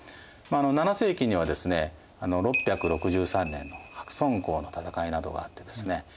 ７世紀にはですね６６３年の白村江の戦いなどがあってですね